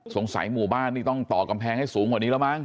สงสัยหมู่บ้านต้องต่อกำแพงให้สูงไว้รึเปล่า